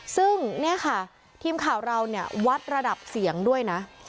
ซึ่งเนี่ยค่ะทีมข่าวเราเนี่ยวัดระดับเสียงด้วยนะ